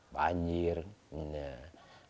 mungkin kita bisa mengambil banjir